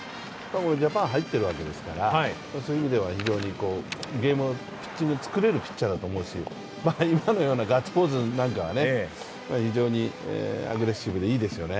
ジャパンに入ってるわけですから、そういう意味ではピッチング、ゲームを作れる選手だと思いますし今のようなガッツポーズなんかは非常にアグレッシブでいいですよね。